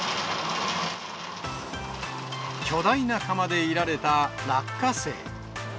巨大な釜でいられた落花生。